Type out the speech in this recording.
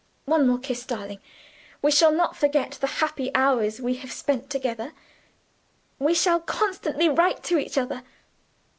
"One more kiss, darling. We shall not forget the happy hours we have spent together; we shall constantly write to each other."